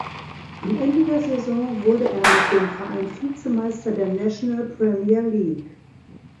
Am Ende der Saison wurde er mit dem Verein Vizemeister der National Premier League.